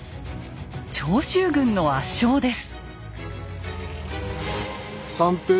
長州軍の圧勝です。